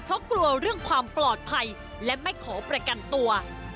เพราะกลัวเรื่องความปลอดภัยและไม่ขอประกันตัว